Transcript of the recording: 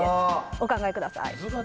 お考えください。